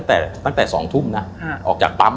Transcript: ตั้งแต่๒ทุ่มนะออกจากปั๊ม